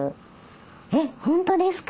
えっ本当ですか！